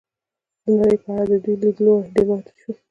د نړۍ په اړه د دوی لید لوری ډېر محدود شو.